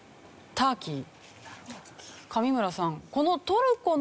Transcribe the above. ターキー。